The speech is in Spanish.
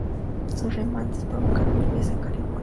Sus remanentes provocaron lluvias en California.